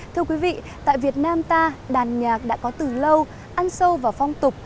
thưa quý vị tại việt nam ta đàn nhạc đã có từ lâu ăn sâu vào phong tục